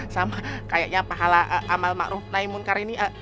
sama kayaknya pahala amal makruh naimunkar ini